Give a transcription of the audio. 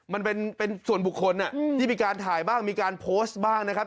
มันเป็นส่วนบุคคลที่มีการถ่ายบ้างมีการโพสต์บ้างนะครับ